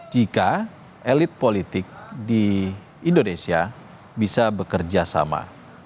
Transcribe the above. jika elit politik di indonesia bisa bekerja sama